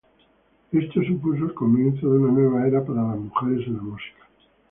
Esto supuso el comienzo de una nueva era para las mujeres en la música.